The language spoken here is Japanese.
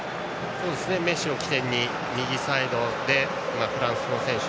メッシを起点に右サイドでフランスの選手